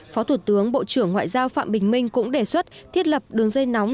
phó thủ tướng bộ trưởng ngoại giao phạm bình minh cũng đề xuất thiết lập đường dây nóng